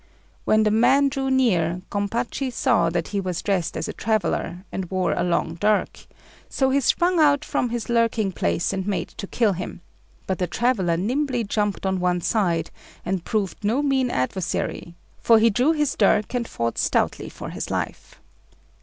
When the man drew near, Gompachi saw that he was dressed as a traveller, and wore a long dirk; so he sprung out from his lurking place and made to kill him; but the traveller nimbly jumped on one side, and proved no mean adversary, for he drew his dirk and fought stoutly for his life.